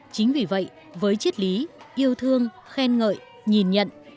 chính vì vậy với triết lý yêu thương khen ngợi nhìn nhận